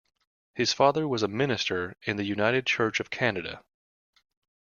His father was a minister in the United Church of Canada.